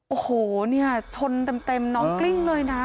โอ้โหเนี่ยชนเต็มน้องกลิ้งเลยนะ